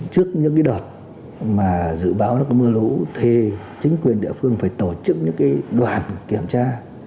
trước những cái đợt mà dự báo nó có mưa lũ thì chính quyền địa phương phải tổ chức những cái đoàn kiểm tra